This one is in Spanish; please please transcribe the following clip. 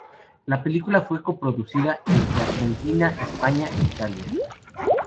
La película fue coproducida entre Argentina, España e Italia.